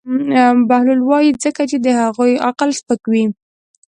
بهلول وویل: ځکه چې د هغوی عقل سپک وي.